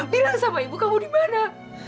bilang sama ibu kamu di mana